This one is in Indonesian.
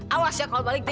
awas ya kalau balik deh